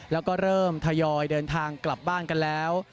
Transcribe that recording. แล้วก็เริ่มทยอยเดินทางกลับบ้านกันแล้ว